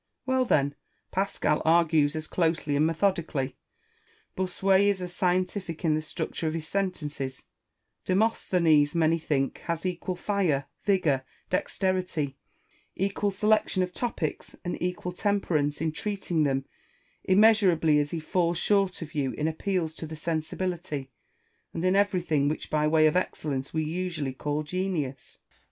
Ifalesherhes. Well then — Pascal argues as closely and methodically ; Bossuet is as scientific in the structure of his sentences ; Demosthenes, many think, has equal fire, vigour, dexterity : equal selection of topics and equal temper ance in treating them, immeasurably as he falls short of you in appeals to the sensibility, and in everything which by way of excellence we usually call genius. Rousseau.